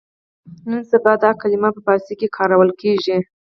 نن سبا دا کلمه په فارسي کې کارول کېږي.